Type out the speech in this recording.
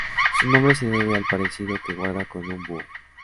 Su nombre se debe al parecido que guarda con un búho.